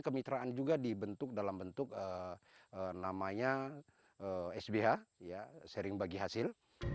kemitraan juga dibentuk dalam bentuk namanya sbh sharing bagi hasil